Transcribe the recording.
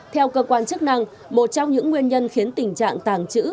theo cơ quan chức năng một trong những nguyên nhân khiến tình trạng tàng trữ